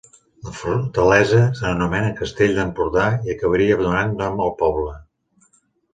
La fortalesa s'anomenà castell d'Empordà i acabaria donant nom al poble.